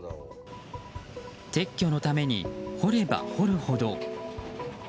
撤去のために掘れば掘るほど。